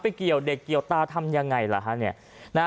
เกี่ยวเด็กเกี่ยวตาทำยังไงล่ะฮะเนี่ย